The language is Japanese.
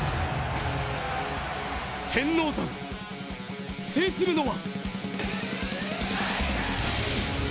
天王山、制するのは？